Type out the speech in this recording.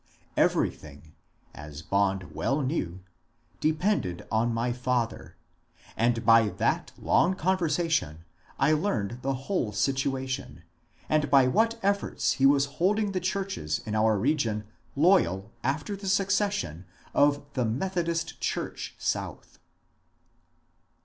Everything, as Bond well knew, depended on my father, and by that long conversation I learned the whole situation, and by what efforts he was holding the churches in our region loyal after the secession of the ^' Methodist Church South."